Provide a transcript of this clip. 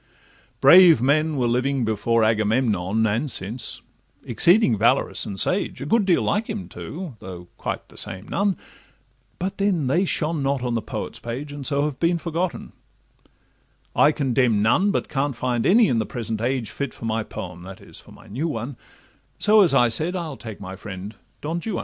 Brave men were living before Agamemnon And since, exceeding valorous and sage, A good deal like him too, though quite the same none; But then they shone not on the poet's page, And so have been forgotten:—I condemn none, But can't find any in the present age Fit for my poem (that is, for my new one); So, as I said, I'll take my friend Don Juan.